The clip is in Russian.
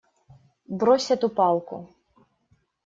Брось эту палку!